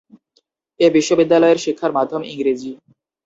এ বিশ্ববিদ্যালয়ের শিক্ষার মাধ্যম ইংরেজি।